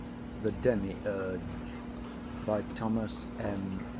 _ the Demi Urge By THOMAS M.